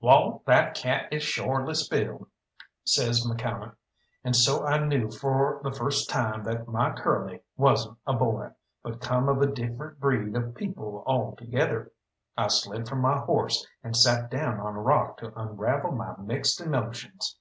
"Wall, that cat is shorely spilled," says McCalmont, and so I knew for the first time that my Curly wasn't a boy, but come of a different breed of people altogether. I slid from my horse and sat down on a rock to unravel my mixed emotions.